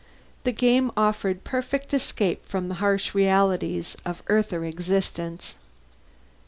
The game offered perfect escape from the harsh realities of Earther existence.